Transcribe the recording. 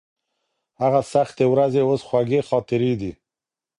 هغه سختې ورځې اوس خوږې خاطرې دي.